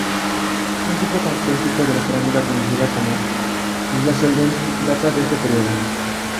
Un tipo característico de la cerámica conocida como Isla Selden data de este período.